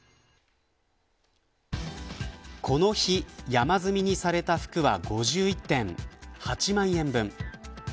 この日山積みにされた服は５１点８万円分。